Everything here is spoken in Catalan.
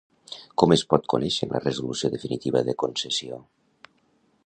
Com es pot conèixer la Resolució definitiva de concessió?